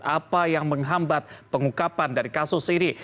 apa yang menghambat pengukapan dari kasus ini